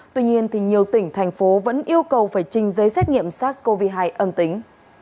tuy nhiên nhiều tỉnh thành phố vẫn yêu cầu phải trình giấy xét nghiệm sars cov hai âm tính